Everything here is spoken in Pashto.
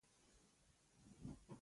که دا وچکالي همداسې وغځېده بده به شي.